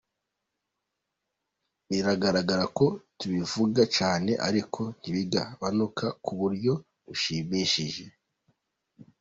Biragaragara ko tubivuga cyane ariko ntibigabanuke ku buryo bushimishije.